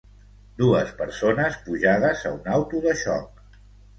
Dues persones pujades a un auto de xoc.